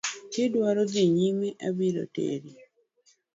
Kidwaro dhi nyime abiro teri.